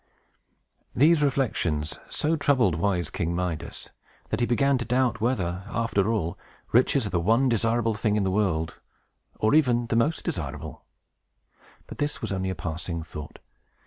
These reflections so troubled wise King Midas, that he began to doubt whether, after all, riches are the one desirable thing in the world, or even the most desirable. But this was only a passing thought.